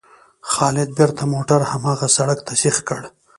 خالد بېرته موټر هماغه سړک ته سیخ کړ.